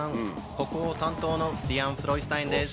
北欧担当のスティアンフロイスタインです。